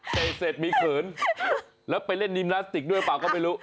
เสร็จมีเขินแล้วไปเล่นนิมพลาสติกด้วยเปล่าก็ไม่รู้